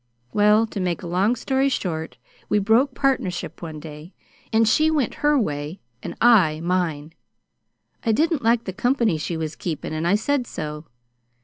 "Well, to make a long story short, we broke partnership one day, and she went her way, and I mine. I didn't like the company she was keepin', and I said so.